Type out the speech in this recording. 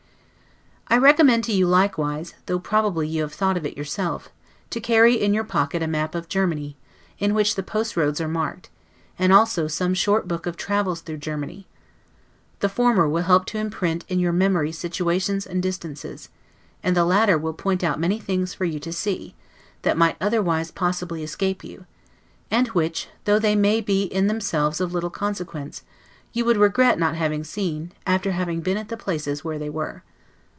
I recommend to you likewise, though probably you have thought of it yourself, to carry in your pocket a map of Germany, in which the postroads are marked; and also some short book of travels through Germany. The former will help to imprint in your memory situations and distances; and the latter will point out many things for you to see, that might otherwise possibly escape you, and which, though they may be in themselves of little consequence, you would regret not having seen, after having been at the places where they were.